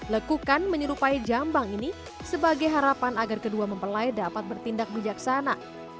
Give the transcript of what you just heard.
lekukan menyerupai jambang ini sebagai harapan agar kedua mempelai dapat bertindak bijaksana